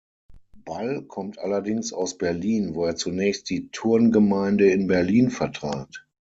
Ball kommt allerdings aus Berlin, wo er zunächst die Turngemeinde in Berlin vertrat.